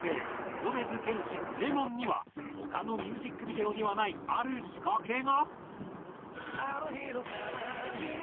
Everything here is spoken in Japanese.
米津玄師『Ｌｅｍｏｎ』には他のミュージックビデオにはないある仕掛けが！